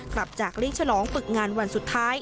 กลับจากเรื่องฉลองปลึกงานวันสุดท้าย